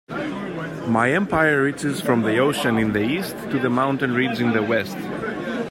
My empire reaches from the ocean in the East to the mountain ridge in the West.